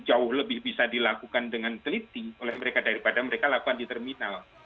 jauh lebih bisa dilakukan dengan teliti oleh mereka daripada mereka lakukan di terminal